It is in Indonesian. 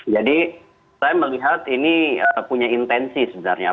jadi saya melihat ini punya intensi sebenarnya